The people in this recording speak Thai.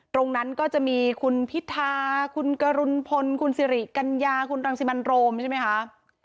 ตรงนั้นก็จะมีคุณพิธาคุณกรุณพลคุณสิริกัญญาคุณรังสิมันโรมใช่ไหมคะ